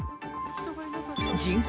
人口